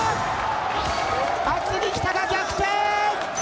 厚木北が逆転。